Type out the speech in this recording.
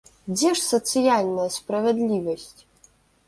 Дзе ж сацыяльная справядлівасць?